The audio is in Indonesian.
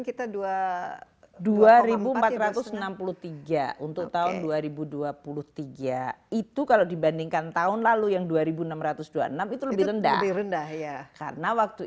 kita dua dua ribu empat ratus enam puluh tiga untuk tahun dua ribu dua puluh tiga itu kalau dibandingkan tahun lalu yang dua ribu enam ratus dua puluh enam itu lebih rendah rendah ya karena waktu